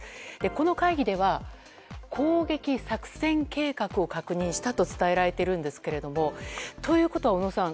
この会議では攻撃作戦計画を確認したと伝えられているんですけどもということは小野さん